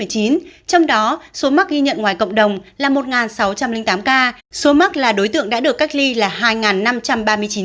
trong đó số mắc ghi nhận ngoài cộng đồng là một sáu trăm linh tám ca số mắc là đối tượng đã được cách ly là hai năm trăm ba mươi chín ca